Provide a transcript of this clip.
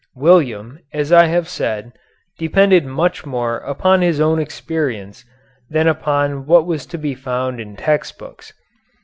William, as I have said, depended much more upon his own experience than upon what was to be found in text books.